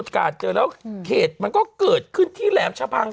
เขตมันก็เกิดขึ้นที่แหลมชาพัง